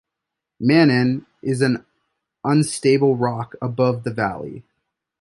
"Mannen" is an unstable rock above the valley.